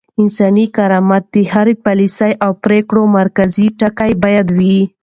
انساني کرامت د هرې پاليسۍ او پرېکړې مرکزي ټکی بايد وي.